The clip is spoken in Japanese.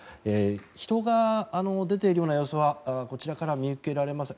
人が出ているような様子はこちらからは見受けられません。